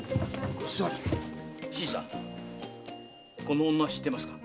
新さんこの女知ってますか？